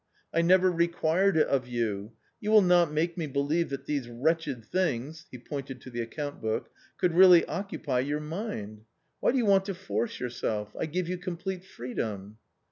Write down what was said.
I never required it of you ; you will not make me believe that these wretched things (he pointed to the account book) could really occupy your mind. Why do you want to force yourself? I give you complete freedom."